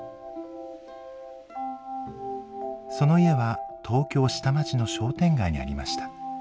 その家は東京・下町の商店街にありました。